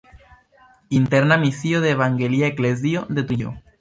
Interna misio de Evangelia eklezio de Turingio.